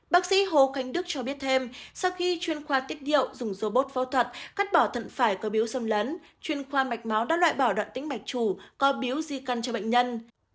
bác sĩ hồ khánh đức cho biết thêm sau khi chuyên khoa tiết điệu dùng robot phẫu thuật cắt bỏ thận phải có biếu xâm lấn chuyên khoa mạch máu đã loại bỏ đoạn tính mạch chủ có biếu di cân cho bệnh nhân